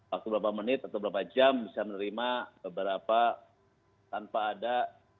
waktu berapa menit atau berapa jam bisa menerima beberapa tanpa ada